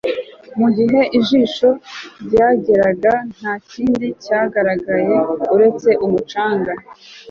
mugihe ijisho ryageraga, ntakindi cyagaragaye uretse umucanga